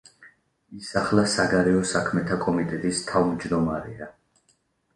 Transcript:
ის ახლა საგარეო საქმეთა კომიტეტის თავმჯდომარეა.